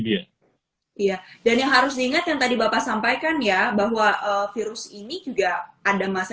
dia iya dan yang harus diingat yang tadi bapak sampaikan ya bahwa virus ini juga ada masa